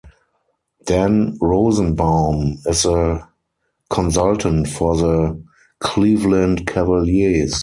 Dan Rosenbaum is a consultant for the Cleveland Cavaliers.